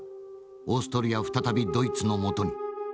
オーストリア再びドイツのもとに』。